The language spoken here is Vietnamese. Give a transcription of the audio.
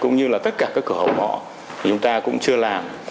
cũng như là tất cả các cửa hậu mọ chúng ta cũng chưa làm